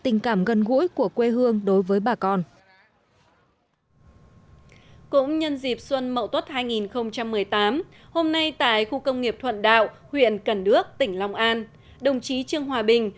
ngay tại khu công nghiệp thuận đạo huyện cần đước tỉnh long an đồng chí trương hòa bình